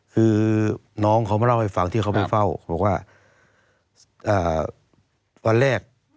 คือน้องเขามาเล่าให้ฟังที่เขาไปเฝ้าบอกว่าวันแรก